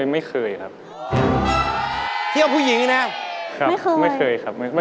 ไม่เคยครับไม่เคย